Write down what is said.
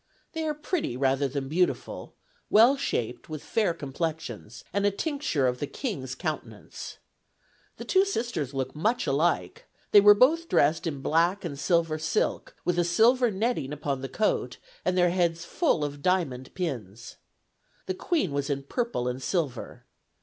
They are pretty, rather than beautiful, well shaped, with fair complexions, and a tincture of the King's countenance. The two sisters look much alike; they were both dressed in black and silver silk, with a silver netting upon the coat, and their heads full of diamond pins. The Queen was in purple and silver.